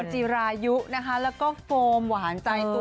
เจมส์จีรายุนะคะแล้วก็โฟมหวานใจตัวจริง